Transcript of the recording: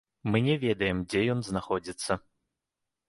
Мы не ведаем, дзе ён знаходзіцца.